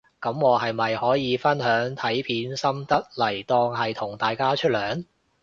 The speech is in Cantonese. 噉我係咪可以分享睇片心得嚟當係同大家出糧